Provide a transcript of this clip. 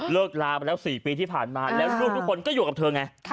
ลามาแล้ว๔ปีที่ผ่านมาแล้วลูกทุกคนก็อยู่กับเธอไง